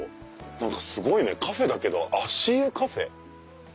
何かすごいねカフェだけど「足湯カフェ」？